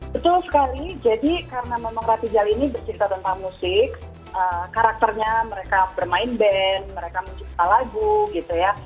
betul sekali jadi karena memang rapi jali ini bercerita tentang musik karakternya mereka bermain band mereka mencipta lagu gitu ya